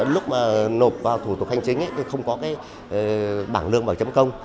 lúc mà nộp vào thủ tục hành chính thì không có bảng lương bằng chấm công